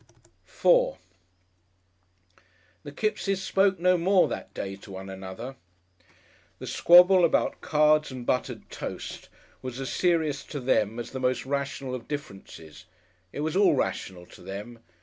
§4 The Kippses spoke no more that day to one another. The squabble about cards and buttered toast was as serious to them as the most rational of differences. It was all rational to them.